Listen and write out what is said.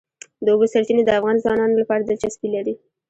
د اوبو سرچینې د افغان ځوانانو لپاره دلچسپي لري.